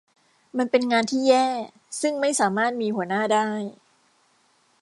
มันเป็นงานที่แย่ ซึ่งไม่สามารถมีหัวหน้าได้